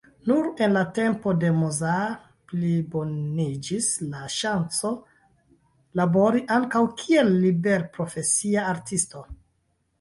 Nur en la tempo de Mozart pliboniĝis la ŝancoj, labori ankaŭ kiel liberprofesia artisto.